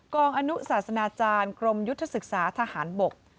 งอนุศาสนาจารย์กรมยุทธศึกษาทหารบก